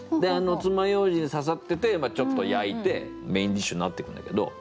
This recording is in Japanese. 爪ようじ刺さっててちょっと焼いてメインディッシュになってくんだけど。